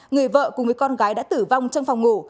người vợ cùng với con gái đã tử vong trong phòng ngủ